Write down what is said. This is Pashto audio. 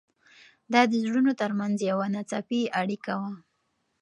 دا د زړونو تر منځ یوه ناڅاپي اړیکه وه.